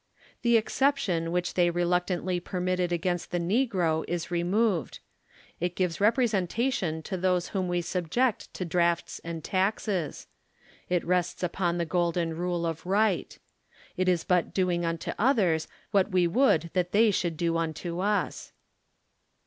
The exception wdiich the}' reluctantly permitted against the negro is removed. It gives representation to tliose whom we subject to drafts and taxes It rests upon the gol den rule of right. It is but doing unto others what we would that they should do unto us.